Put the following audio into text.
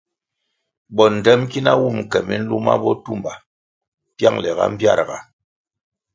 Bondtem ki na wun ke miluma botumba piangle ga mbpiarga.